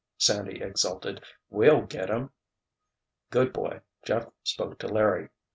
Sandy exulted. "We'll get him!" "Good boy," Jeff spoke to Larry.